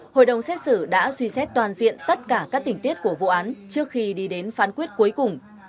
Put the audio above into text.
hội đồng xét xử đã suy xét toàn diện tất cả các tình tiết của vụ án trước khi đi đến phán quyết cuối cùng